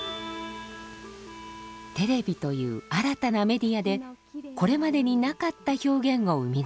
テレビという新たなメディアでこれまでになかった表現を生み出す。